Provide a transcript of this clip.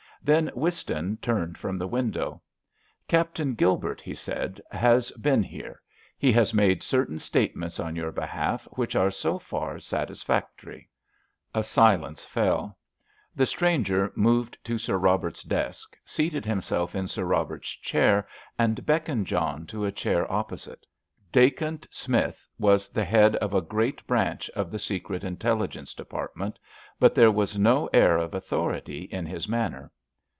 Then Whiston turned from the window. "Captain Gilbert," he said, "has been here. He has made certain statements on your behalf which are so far satisfactory." A silence fell; the stranger moved to Sir Robert's desk, seated himself in Sir Robert's chair, and beckoned John to a chair opposite. Dacent Smith was the head of a great branch of the Secret Intelligence Department, but there was no air of authority in his manner.